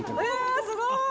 すごい！